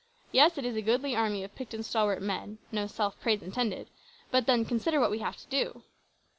Yes, it is a goodly army of picked and stalwart men, (no self praise intended), but, then, consider what we have to do."